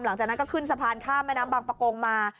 หลังจากนั้นก็ขึ้นสะพานข้ามแม่น้ำบางประกงมา